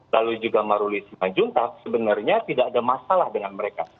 lalu juga maruli simanjuntak sebenarnya tidak ada masalah dengan mereka